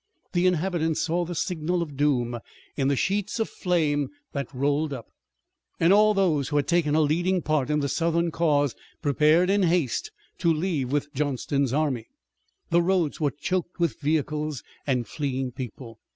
The inhabitants saw the signal of doom in the sheets of flame that rolled up, and all those who had taken a leading part in the Southern cause prepared in haste to leave with Johnston's army. The roads were choked with vehicles and fleeing people.